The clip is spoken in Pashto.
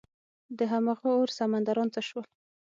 دهمغه اور سمندران څه شول؟